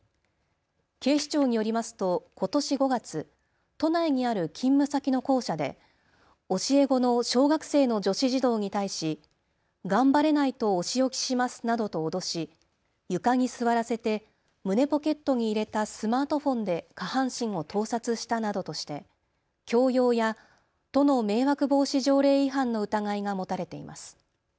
警視庁によりますとことし５月、都内にある勤務先の校舎で教え子の小学生の女子児童に対し頑張れないとお仕置きしますなどと脅し床に座らせて胸ポケットに入れたスマートフォンで下半身を盗撮したなどとして強要や都の迷惑防止条例違反の疑いが持たれています。